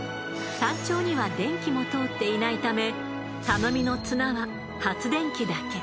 山頂には電気も通っていないため頼みの綱は発電機だけ。